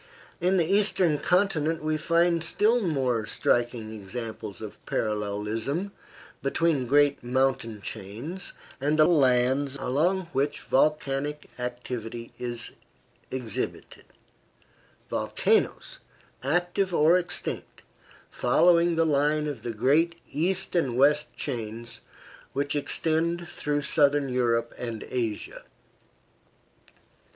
In the Eastern continent we find still more striking examples of parallelism between great mountain chains and the lands along which volcanic activity is exhibited volcanoes, active or extinct, following the line of the great east and west chains which extend through southern Europe and Asia.